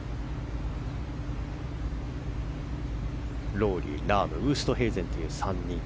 ロウリー、ラームウーストヘイゼンという３人。